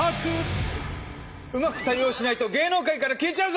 うまく対応しないと芸能界から消えちゃうぞ！！